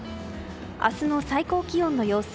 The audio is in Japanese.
明日の最高気温の様子